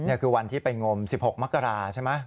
นี่คือวันที่ไปงม๑๖มกราใช่ไหม